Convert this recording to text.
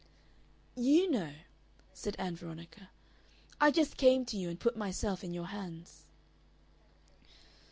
"YOU know," said Ann Veronica. "I just came to you and put myself in your hands."